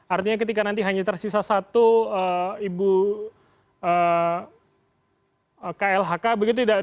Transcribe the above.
artinya ketika nanti hanya tersisa satu ibu klhk begitu tidak masuk akal